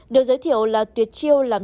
được giới thiệu là tuyệt chiêu làm